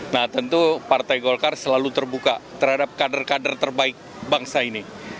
nah tentu partai golkar selalu terbuka terhadap kader kader terbaik bangsa ini